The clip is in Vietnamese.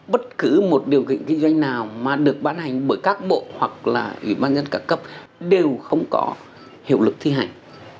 bất cứ một điều kiện kinh doanh nào mà được bán hành bởi các bộ hoặc là ủy ban nhân cả cấp đều không có hiệu lực thi hành